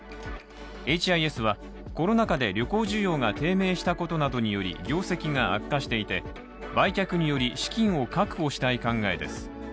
エイチ・アイ・エスはコロナ禍で旅行需要が低迷したことなどにより業績が悪化していて売却により資金を確保したい考えです。